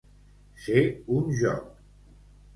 Ser un joc.